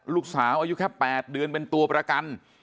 ลูกสาวอายุแค่๘เดือนเป็นตัวประกัน